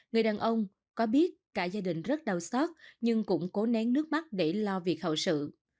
người đàn ông có biết cả gia đình rất đau xót nhưng cũng cố nén nước mắt để lo việc hậu sự